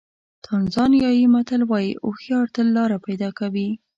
تانزانیایي متل وایي هوښیار تل لاره پیدا کوي.